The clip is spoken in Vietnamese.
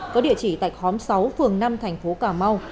có địa chỉ tại khóm sáu phường năm thành phố cà mau